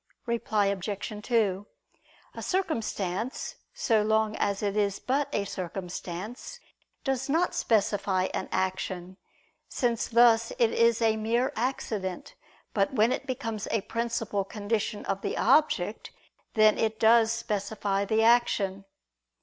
Reply Obj. 2: A circumstance, so long as it is but a circumstance, does not specify an action, since thus it is a mere accident: but when it becomes a principal condition of the object, then it does specify the action.